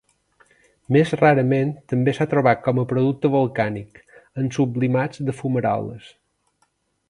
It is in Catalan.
Més rarament també s'ha trobat com a producte volcànic, en sublimats de fumaroles.